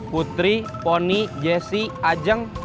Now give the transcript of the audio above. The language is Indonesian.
putri poni jessy ajeng